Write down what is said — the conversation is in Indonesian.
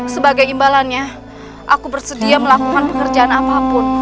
sebagai imbalannya aku bersedia melakukan pekerjaan apapun